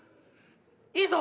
いいぞ！